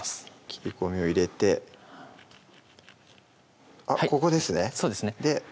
切り込みを入れてあっここですねで